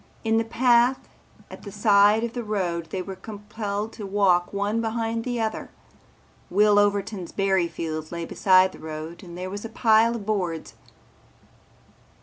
In the path at the side of the road they were compelled to walk one behind the other. Will Overton's berry field lay beside the road and there was a pile of boards.